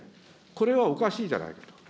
これはおかしいじゃないかと。